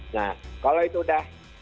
nah kalau itu sudah